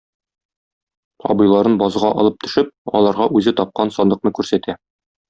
Абыйларын базга алып төшеп, аларга үзе тапкан сандыкны күрсәтә.